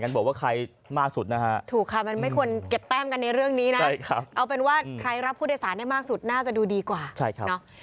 ขอบคุณคุณสุภาพแล้วก็ท่านปีลิญะพันตุชกฎ